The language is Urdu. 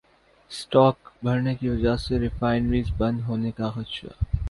اسٹاک بڑھنے کی وجہ سے ریفائنریز بند ہونے کا خدشہ